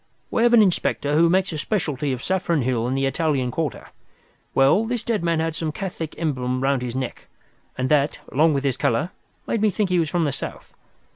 "We have an inspector who makes a specialty of Saffron Hill and the Italian Quarter. Well, this dead man had some Catholic emblem round his neck, and that, along with his colour, made me think he was from the South.